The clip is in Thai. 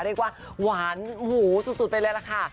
แต่ว่าหวานหูสุดปั้นเร็วเลยค่ะ